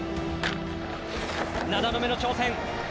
７度目の挑戦。